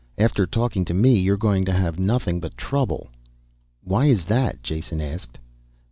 "After talking to me you're going to have nothing but trouble." "Why is that?" Jason asked.